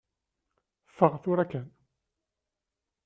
Ffeɣ tura kan.